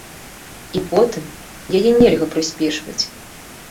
І потым, яе нельга прыспешваць.